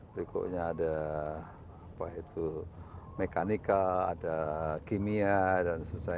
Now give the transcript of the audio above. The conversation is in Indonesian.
berikutnya ada apa itu mekanika ada kimia dan sebagainya